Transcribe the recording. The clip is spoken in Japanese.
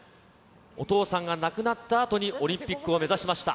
お父さんが亡くなったあとにオリンピックを目指しました。